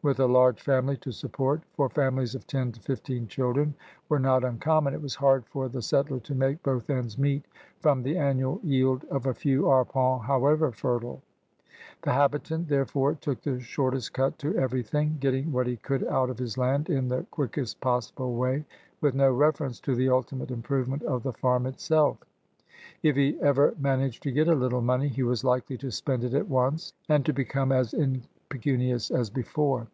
With a large family to support, for families of ten to fifteen children were not unconmion, it was hard for the settler to make both ends meet from the annual yield of a few arpents, however fertile. The habitant, therefore, took the shortest cut to everything, getting what he could out of his land in the quick est possible way with no reference to the ultimate improvement of the farm itself. If he ever managed to get a little money, he was likely to spend it at once and to become as impecunious as before.